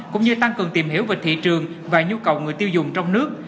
cũng như tăng cường tìm hiểu về thị trường và nhu cầu người tiêu dùng trong nước